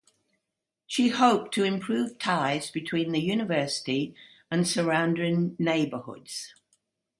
She hoped to improve ties between the University and surrounding neighborhoods.